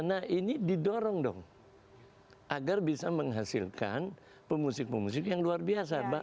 nah ini didorong dong agar bisa menghasilkan pemusik pemusik yang luar biasa